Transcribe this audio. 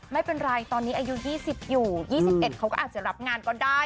ไม่เป็นไรตอนนี้อายุ๒๐อยู่๒๑เขาก็อาจจะรับงานก็ได้